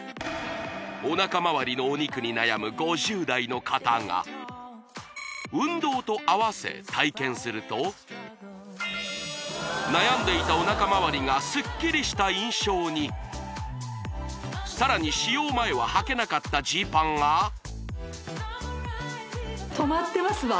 おなかまわりのお肉に悩む５０代の方が運動とあわせ体験すると悩んでいたおなかまわりがスッキリした印象にさらに使用前ははけなかったジーパンがとまってますわ！